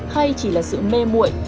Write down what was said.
hay chỉ là sự mê muội